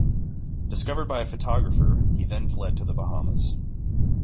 Discovered by a photographer, he then fled to the Bahamas.